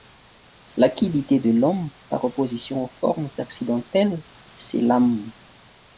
La quiddité de l'homme, par opposition aux formes accidentelles, c'est l'âme.